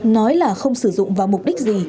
nói là không sử dụng vào mục đích gì